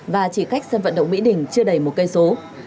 và chỉ cách sân vận động mỹ đình chưa đầy một cây số